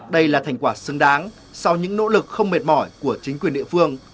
đây là thành quả xứng đáng sau những nỗ lực không mệt mỏi của chính quyền địa phương